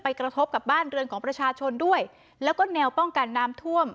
กระทบกับบ้านเรือนของประชาชนด้วยแล้วก็แนวป้องกันน้ำท่วม